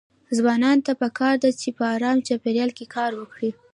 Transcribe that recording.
ځوانانو ته پکار ده چې په ارام چاپيريال کې کار وکړي.